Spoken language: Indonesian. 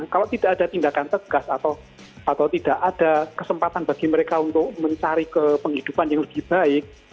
kalau tidak ada tindakan tegas atau tidak ada kesempatan bagi mereka untuk mencari ke penghidupan yang lebih baik